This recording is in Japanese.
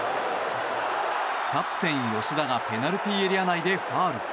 キャプテン、吉田がペナルティーエリア内でファウル。